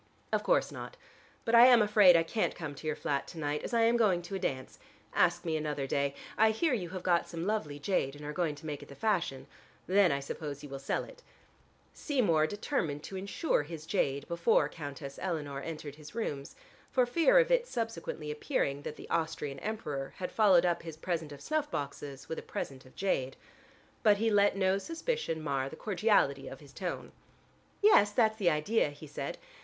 "Of course not. But I am afraid I can't come to your flat to night, as I am going to a dance. Ask me another day. I hear you have got some lovely jade and are going to make it the fashion. Then I suppose you will sell it." Seymour determined to insure his jade before Countess Eleanor entered his rooms, for fear of its subsequently appearing that the Austrian Emperor had followed up his present of snuff boxes with a present of jade. But he let no suspicion mar the cordiality of his tone. "Yes, that's the idea," he said.